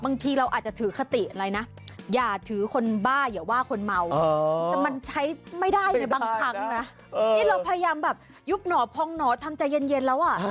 นี่เราพยายามแบบยุบหนอพองหนอทำใจเย็นแล้วอ่ะ